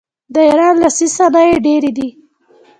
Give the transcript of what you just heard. د ایران لاسي صنایع ډیر دي.